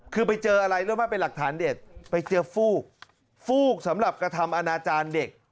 คือไปเจออะไรรู้ไหมเป็นหลักฐานเด็ดไปเจอฟูกฟูกสำหรับกระทำอนาจารย์เด็ก